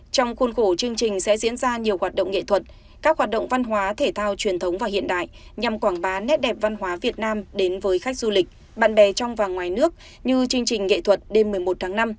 trong khuôn khổ chương trình sẽ diễn ra nhiều hoạt động nghệ thuật các hoạt động văn hóa thể thao truyền thống và hiện đại nhằm quảng bá nét đẹp văn hóa việt nam đến với khách du lịch bạn bè trong và ngoài nước như chương trình nghệ thuật đêm một mươi một tháng năm